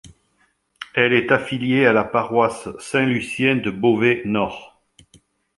Elle est affiliée à la paroisse Saint-Lucien de Beauvais-Nord.